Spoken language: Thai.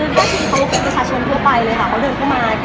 และไม่ได้รักษาแสงแบบมาก